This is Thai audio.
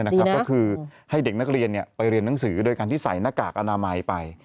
ก็คือให้เด็กนักเรียนไปเรียนหนังสือโดยการที่ใส่หน้ากากอนามัยไป